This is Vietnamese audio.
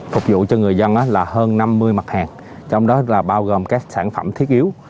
phục vụ cho người dân là hơn năm mươi mặt hàng trong đó là bao gồm các sản phẩm thiết yếu